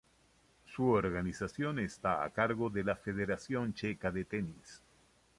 Su organización está a cargo de la Federación checa de tenis.